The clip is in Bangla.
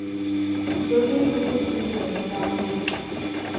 যদি এই কুকুর জিতে, মানে আমি জিতেছি।